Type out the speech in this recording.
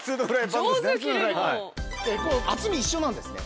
厚み一緒なんですね